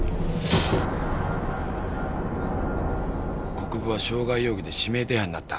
国府は傷害容疑で指名手配になった。